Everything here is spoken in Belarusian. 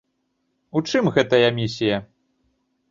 У чым гэтая місія?